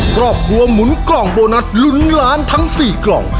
ครอบครัวหมุนกล่องโบนัสลุ้นล้านทั้ง๔กล่อง